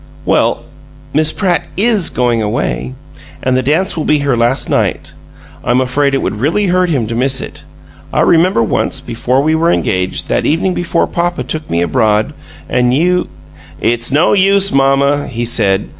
"Well Miss Pratt IS going away, and the dance will be her last night. I'm afraid it would really hurt him to miss it. I remember once, before we were engaged that evening before papa took me abroad, and you " "It's no use, mamma," he said.